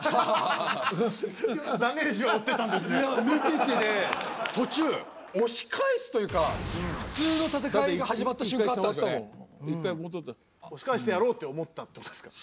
ダメージは負ってたんですねいや見ててね途中押し返すというか普通の戦いが始まった瞬間ってあったもん押し返してやろうって思ったってことですか？